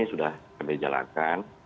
sudah kami jalankan